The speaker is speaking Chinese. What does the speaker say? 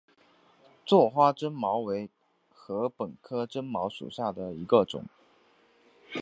座花针茅为禾本科针茅属下的一个种。